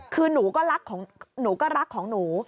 คือหนูก็รักของหนู